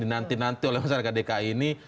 dinanti nanti oleh masyarakat dki ini